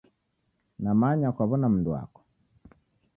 Namanya kwaw'ona mndu wako